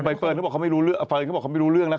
ใบเฟิร์นเขาบอกเขาไม่รู้เรื่องนะคะ